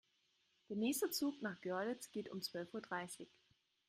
Der nächste Zug nach Görlitz geht um zwölf Uhr dreißig